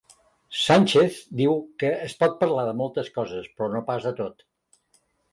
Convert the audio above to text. Sánchez diu que es pot parlar de moltes coses, però no pas de tot.